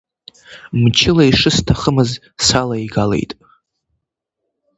Мчыла, ишысҭахымыз салеигалеит.